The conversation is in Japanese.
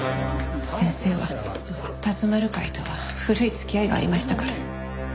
先生は龍丸会とは古い付き合いがありましたから。